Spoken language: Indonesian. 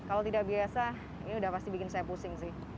kalau tidak biasa ini udah pasti bikin saya pusing sih